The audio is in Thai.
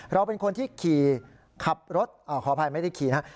เราเป็นคนที่ขี่ขับรถขออภัยไม่ได้ขี่นะ